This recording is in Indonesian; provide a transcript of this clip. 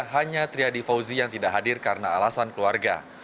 hanya triadi fauzi yang tidak hadir karena alasan keluarga